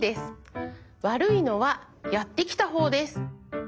わるいのはやってきたほうです。